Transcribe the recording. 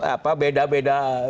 apa beda beda kubur